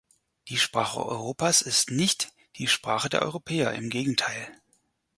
Die Sprache Europas ist nicht die Sprache der Europäer, im Gegenteil.